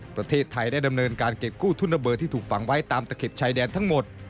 ประเทศไทยได้ดำเนินการเก็บกู้ทุนระเบิดที่ถูกฝังไว้ตามตะเข็บชายแดนทั้งหมด